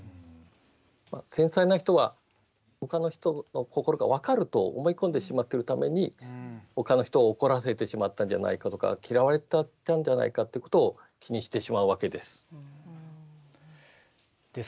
繊細な人は他の人の心が分かると思い込んでしまっているために他の人を怒らせてしまったんじゃないかとか嫌われてしまったんじゃないかと気にしてしまうわけです。